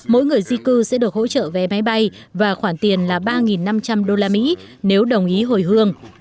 mỗi người di cư sẽ được hỗ trợ vé máy bay và khoản tiền là ba năm trăm linh usd nếu đồng ý hồi hương